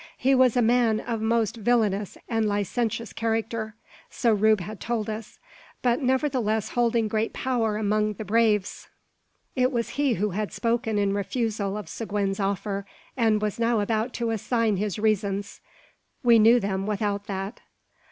He was a man of most villainous and licentious character, so Rube had told us, but nevertheless holding great power among the braves. It was he who had spoken in refusal of Seguin's offer, and he was now about to assign his reasons. We knew them without that.